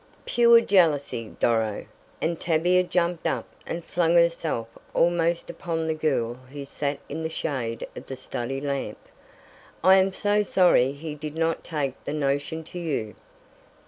"Pure jealousy, Doro," and Tavia jumped up and flung herself almost upon the girl who sat in the shade of the study lamp. "I am so sorry he did not take the notion to you."